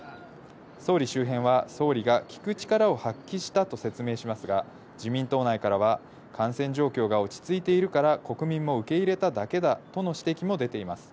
総理周辺は総理が聞く力を発揮したと説明しますが、自民党内からは感染状況が落ち着いているから国民も受け入れただけだとの指摘も出ています。